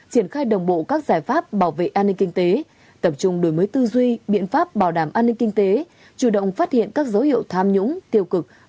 triển khai đồng bộ các giải pháp bảo vệ an ninh kinh tế tập trung đổi mới tư duy biện pháp bảo đảm an ninh kinh tế